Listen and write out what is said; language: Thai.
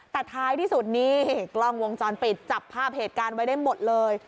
แต่ท้ายที่สุดนี่กล้องวงจรปิดจับภาพเหตุการณ์ไว้ได้หมดเลย